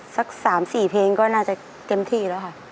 สัก๓๔เพลงก็น่าจะเต็มที่แล้วค่ะ